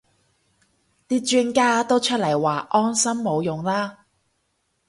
啲專家都出嚟話安心冇用啦